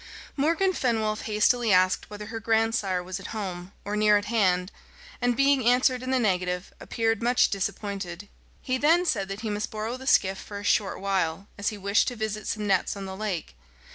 Morgan Fenwolf hastily asked whether her grandsire was at home, or near at hand, and being answered in the negative, appeared much disappointed. He then said that he must borrow the skiff for a short while, as he wished to visit some nets on the lake.